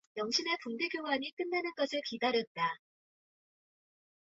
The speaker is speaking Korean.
영신의 붕대 교환이 끝나는 것을 기다렸다.